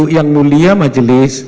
yang mulia majelis